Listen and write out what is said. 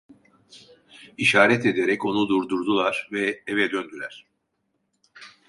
İşaret ederek onu durdurdular ve eve döndüler.